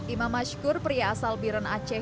imam mashkur pria asal biren aceh